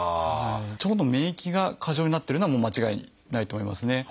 腸の免疫が過剰になってるのはもう間違いないと思いますね。